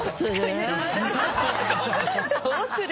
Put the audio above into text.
どうする？